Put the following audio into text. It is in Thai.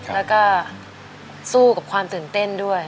แล้วก็สู้กับความตื่นเต้นด้วย